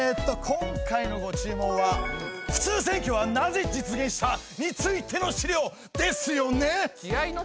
今回のご注文は「普通選挙はなぜ実現した？」についての資料ですよね！？